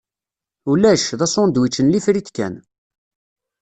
Ulac, d asandwič n lifrit kan.